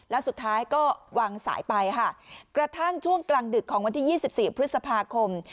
แล้วสุดท้ายก็วางสายไปค่ะกระทั่งช่วงกลางดึกของวันที่๒๔พฤษภาคม